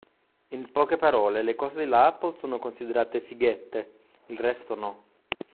In poche parole, le cose della Apple sono considerate “fighette”, il resto no.